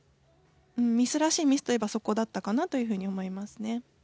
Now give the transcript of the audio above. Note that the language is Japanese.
ミスらしいミスといえばそこだったかなという風に思いますね。